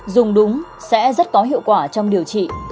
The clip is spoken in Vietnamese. dùng đúng sẽ rất có hiệu quả trong điều trị